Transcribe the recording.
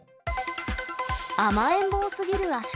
甘えん坊すぎるアシカ。